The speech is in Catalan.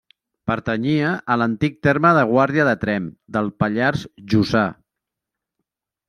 Pertanyia a l'antic terme de Guàrdia de Tremp, del Pallars Jussà.